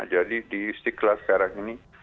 jadi di istiqlal sekarang ini